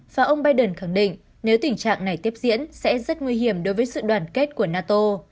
và ông biden khẳng định nếu tình trạng này tiếp diễn sẽ rất nguy hiểm đối với sự đoàn kết của nato